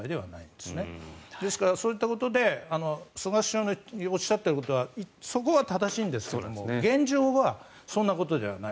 ですからそういったことで菅総理のおっしゃったことはそこは正しいんですが現状はそれどころじゃない。